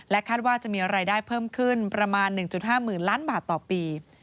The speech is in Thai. คาดว่าจะมีรายได้เพิ่มขึ้นประมาณ๑๕๐๐๐ล้านบาทต่อปี